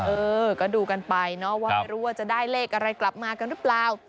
เออก็ดูกันไปเนาะว่าไม่รู้ว่าจะได้เลขอะไรกลับมากันหรือเปล่า